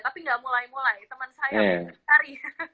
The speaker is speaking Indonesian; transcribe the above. tapi gak mulai mulai teman saya mencari